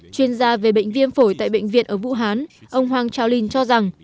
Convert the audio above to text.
chuyên gia về bệnh viêm phổi tại bệnh viện ở vũ hán ông hoàng trào linh cho rằng